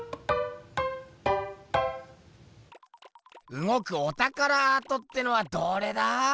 うごくおたからアートってのはどれだ？